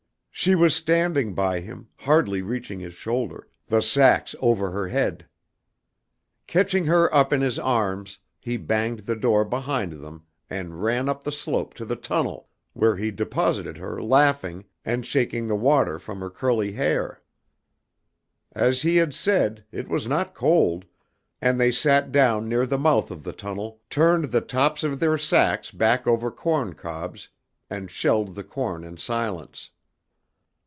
She was standing by him, hardly reaching his shoulder, the sacks over her head. Catching her up in his arms, he banged the door behind them, and ran up the slope to the tunnel, where he deposited her laughing, and shaking the water from her curly hair. As he had said, it was not cold, and they sat down near the mouth of the tunnel, turned the tops of their sacks back over corncobs, and shelled the corn in silence.